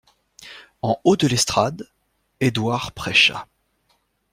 En haut de l'estrade, Édouard prêcha.